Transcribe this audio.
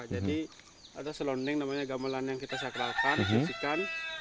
jadi ada selondeng namanya gamelan yang kita sakralkan disusikan